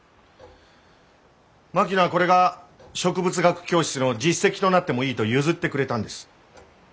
槙野はこれが植物学教室の実績となってもいいと譲ってくれたんです。